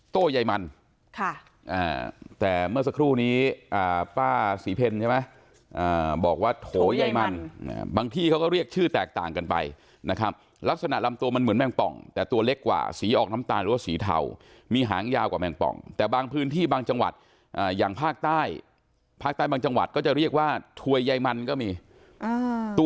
ใยมันค่ะแต่เมื่อสักครู่นี้ป้าศรีเพลใช่ไหมบอกว่าโถยายมันบางที่เขาก็เรียกชื่อแตกต่างกันไปนะครับลักษณะลำตัวมันเหมือนแมงป่องแต่ตัวเล็กกว่าสีออกน้ำตาลหรือว่าสีเทามีหางยาวกว่าแมงป่องแต่บางพื้นที่บางจังหวัดอย่างภาคใต้ภาคใต้บางจังหวัดก็จะเรียกว่าถวยใยมันก็มีตัว